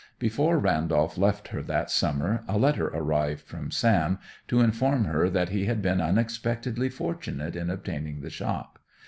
Before Randolph left her that summer a letter arrived from Sam to inform her that he had been unexpectedly fortunate in obtaining the shop.